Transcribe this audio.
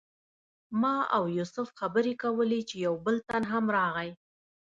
ما او یوسف خبرې کولې چې یو بل تن هم راغی.